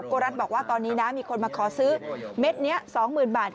รัฐบอกว่าตอนนี้นะมีคนมาขอซื้อเม็ดนี้๒๐๐๐บาท